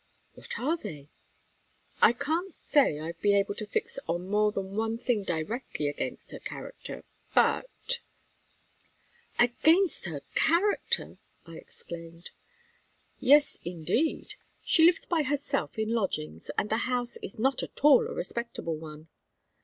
"What are they?" "I can't say I've been able to fix on more than one thing directly against her character, but" "Against her character!" I exclaimed. "Yes, indeed. She lives by herself in lodgings, and the house is not at all a respectable one."